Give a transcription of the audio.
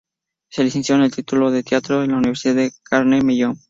Se licenció con un título en teatro de la Universidad Carnegie Mellon.